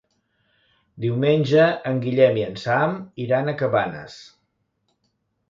Diumenge en Guillem i en Sam iran a Cabanes.